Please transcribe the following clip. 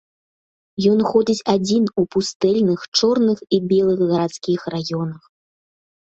Ён ходзіць адзін у пустэльных чорных і белых гарадскіх раёнах.